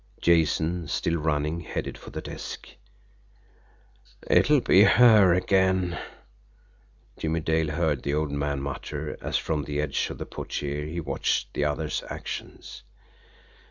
Jason, still running, headed for the desk. "It'll be her again!" Jimmie Dale heard the old man mutter, as from the edge of the portiere he watched the other's actions.